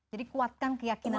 jadi kuatkan keyakinan